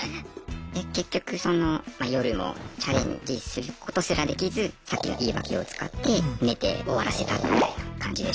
で結局その夜もチャレンジすることすらできずさっきの言い訳を使って寝て終わらせたみたいな感じでしたね。